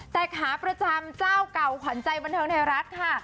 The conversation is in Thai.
แต่ขาประจำเจ้าเก่าขวัญใจบันเทิงไทยรัฐค่ะ